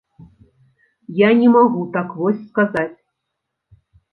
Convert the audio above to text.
Я не магу так вось сказаць.